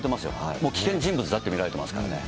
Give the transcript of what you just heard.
もう危険人物だと見られていますからね。